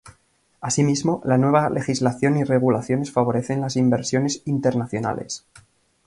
Asimismo, la nueva legislación y regulaciones favorecen las inversiones internacionales.